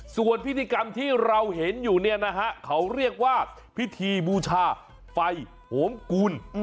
ส่วนพิธีกรรมที่เราเห็นอยู่เนี่ยนะฮะเขาเรียกว่าพิธีบูชาไฟโหมกูล